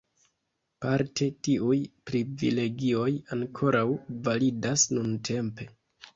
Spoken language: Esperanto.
Parte tiuj privilegioj ankoraŭ validas nuntempe.